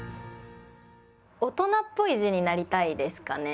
大人っぽい字になりたいですかね。